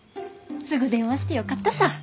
すぐ電話してよかったさぁ。